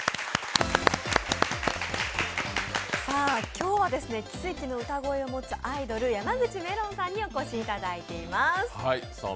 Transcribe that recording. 今日は奇跡の歌声を持つアイドル、山口めろんさんにお越しいただいています。